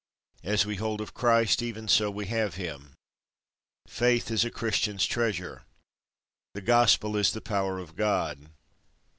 As we hold of Christ, even so we have him. Faith is a Christian's treasure. The Gospel is the power of God.